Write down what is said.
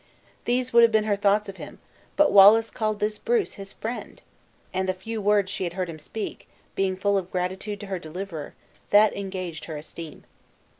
These would have been her thoughts of him; but Wallace called this Bruce his friend! and the few words she had heard him speak, being full of gratitude to her deliverer, that engaged her esteem.